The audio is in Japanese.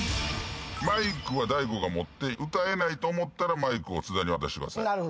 マイクは大悟が持って歌えないと思ったらマイクを津田に渡してください。